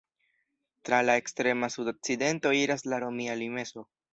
Tra la ekstrema sudokcidento iras la romia limeso.